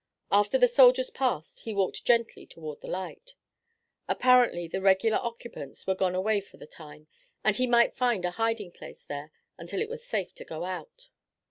After the soldiers passed he walked gently toward the light. Apparently the regular occupants were gone away for the time, and he might find a hiding place there until it was safe to go out.